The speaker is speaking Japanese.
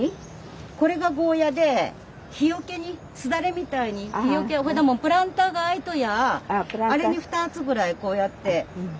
これがゴーヤで日よけにすだれみたいにプランターが空いとりゃあれに２つぐらいこうやって。